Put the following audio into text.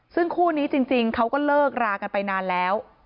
ซึ่งคู่นี้จริงเขาก็เลิกรากันไปนานแล้ว